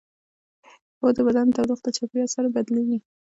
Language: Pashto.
هو د دوی د بدن تودوخه د چاپیریال سره بدلیږي